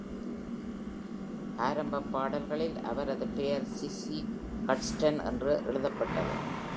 ஆரம்பப் பாடல்களில் அவரது பெயர் Sissie Houston என்று எழுதப்பட்டது.